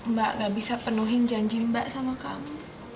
mbak gak bisa penuhin janji mbak sama kamu